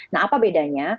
nah apa bedanya